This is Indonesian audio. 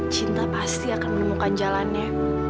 cinta pasti akan menemukan jalannya